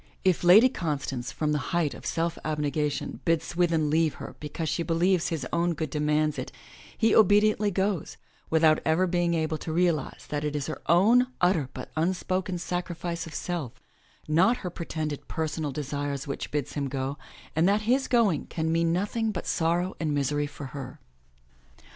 If Lady Constance, from the height of self abnegation, bids Swithin leave her because she believes his own good demands it, he obediently goes, without ever being able to realize that it is her own utter but unspoken sacrifice of self, not her pretended personal desires which bids him go, and that his going can mean nothing but sorrow and misery for her.